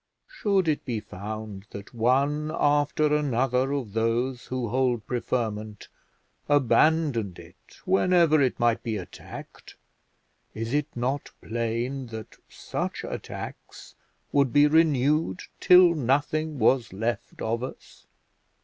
Should it be found that one after another of those who hold preferment abandoned it whenever it might be attacked, is it not plain that such attacks would be renewed till nothing was left us?